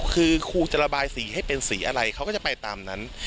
คือครูจะระบายสีให้เป็นสีอะไรเขาก็จะไปตามนั้น